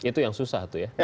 itu yang susah tuh ya